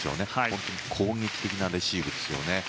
本当に攻撃的なレシーブですね。